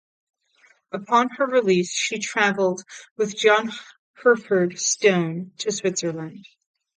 Upon her release, she travelled with John Hurford Stone to Switzerland.